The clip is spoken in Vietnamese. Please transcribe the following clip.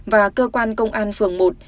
và cơ quan công an phường một